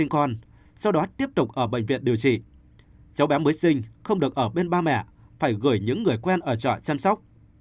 cháu bé mới sinh không được ở bên ba mẹ phải gửi những người quen ở trọ chăm sóc